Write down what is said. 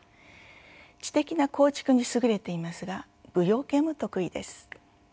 知的な構築に優れていますが舞踊系も得意です。